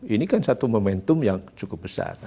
ini kan satu momentum yang cukup besar